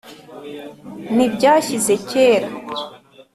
Ntibyashyize kera